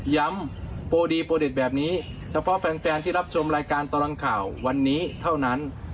โปรดีโปรดิตแบบนี้เฉพาะแฟนที่รับชมรายการตลอดข่าววันนี้เท่านั้น